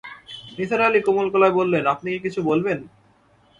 নিসার আলি কোমল গলায় বললেন, আপনি কি কিছু বলবেন?